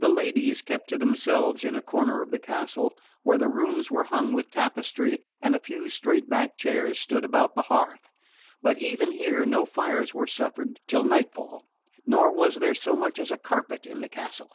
The ladies kept to themselves in a corner of the castle, where the rooms were hung with tapestry and a few straight backed chairs stood about the hearth; but even here no fires were suffered till nightfall, nor was there so much as a carpet in the castle.